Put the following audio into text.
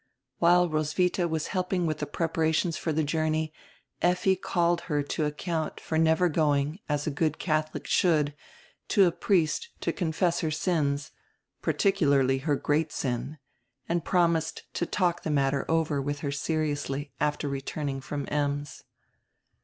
While Roswitha was helping with the preparations for the journey Effi called her to account for never going, as a g(xxl Catholic should, to a priest to confess her sins, particu larly her great sin, and promised to talk the matter over with her seriously after returning fronr Ems.